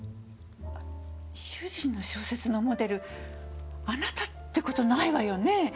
主人の小説のモデルあなたって事ないわよねぇ？